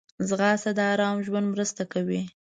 ځغاسته د آرام ژوند مرسته کوي